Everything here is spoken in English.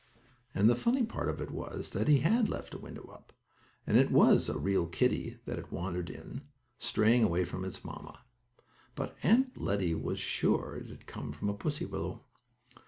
And the funny part of it was that he had left a window up, and it was a real kittie that had wandered in, straying away from its mamma. But Aunt Lettie was sure it had come from a pussy willow.